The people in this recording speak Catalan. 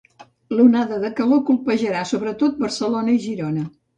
L'onada de calor colpejarà sobretot Barcelona i Girona.